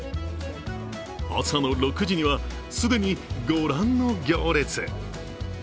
朝の６時には、既にご覧の行列。